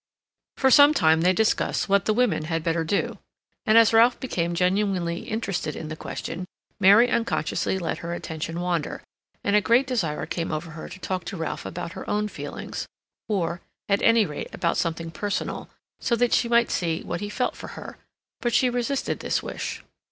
For some time they discussed what the women had better do; and as Ralph became genuinely interested in the question, Mary unconsciously let her attention wander, and a great desire came over her to talk to Ralph about her own feelings; or, at any rate, about something personal, so that she might see what he felt for her; but she resisted this wish.